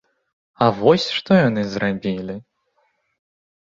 А вось што яны зрабілі!